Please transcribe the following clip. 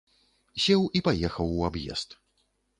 Сеў і паехаў у аб'езд.